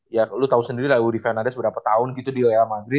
ya lo tau sendiri lah udi fernandez berapa tahun gitu di real madrid